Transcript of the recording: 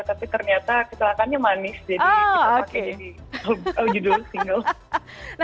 tapi ternyata kecelakaannya manis jadi kita pakai jadi judul single